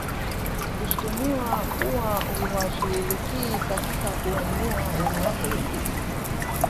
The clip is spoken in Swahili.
Kushtumiwa kuwa hawashughuliki katika kuwainua wanawake wengine